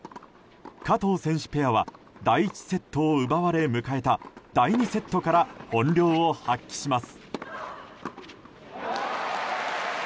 加藤選手ペアは第１セットを奪われ迎えた第２セットから本領を発揮します。